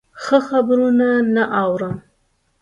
ښه خبرونه نه اورم.